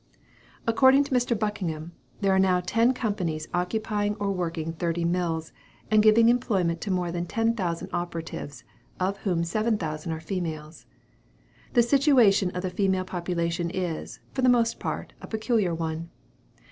According to Mr. Buckingham, there are now ten companies occupying or working thirty mills, and giving employment to more than 10,000 operatives, of whom 7,000 are females. The situation of the female population is, for the most part, a peculiar one.